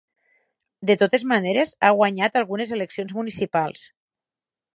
De totes maneres, ha guanyat algunes eleccions municipals.